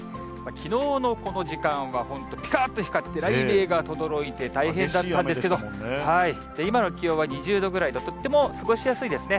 きのうのこの時間は本当、ぴかっと光って雷鳴がとどろいて大変だったんですけど、今の気温は２０度ぐらい、とっても過ごしやすいですね。